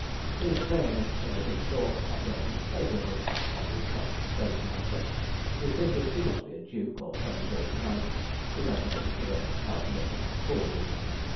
His vehemence and big talk operated favourably on the Cockney station master, who, thinking he must be a duke, or some great man, began to consider how to get him forwarded.